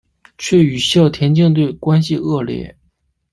却与校田径队关系恶劣。